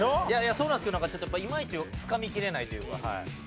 そうなんですけどいまいちつかみきれないというか。